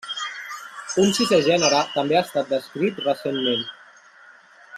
Un sisè gènere també ha estat descrit recentment.